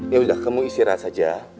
ya udah kamu istirahat saja